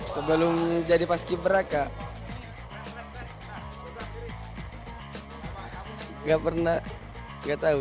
sebelum jadi paskibraka nggak pernah nggak tahu